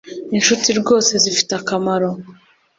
inshuti rwose zifite akamaro